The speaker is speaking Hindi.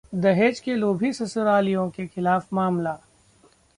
दहेज के लोभी ससुरालियों के खिलाफ मामला